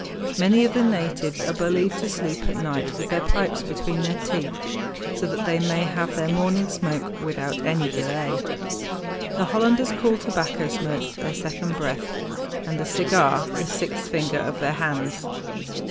Many of the natives are believed to sleep at night with their pipes between their teeth, so that they may have their morning smoke without any delay. The Hollanders call tobacco smoke their second breath, and a cigar the sixth finger of their hands.